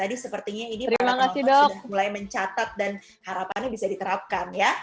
dari tadi sepertinya ini para penonton sudah mulai mencatat dan harapannya bisa diterapkan ya